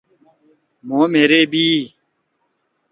مھو مھیرے بیئی۔